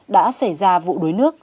đã xảy ra vụ đuối nước